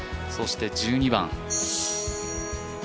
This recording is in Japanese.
そして、１２番。